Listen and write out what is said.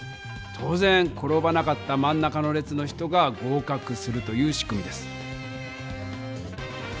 当ぜん転ばなかったまん中の列の人が合かくするという仕組みです。